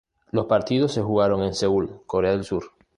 Los partidos se jugaron en Seúl, Corea del Sur.